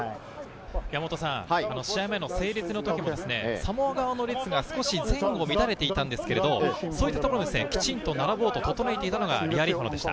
試合前の整列のときもサモア側の列が少し前後乱れていたんですけれど、そういったところ、きちんと並ぼうと整えていたのがリアリーファノでした。